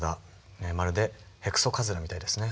まるでヘクソカズラみたいですね。